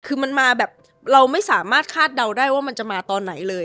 คือมันมาแบบเราไม่สามารถคาดเดาได้ว่ามันจะมาตอนไหนเลย